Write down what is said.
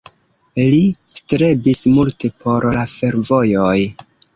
Li strebis multe por la fervojoj.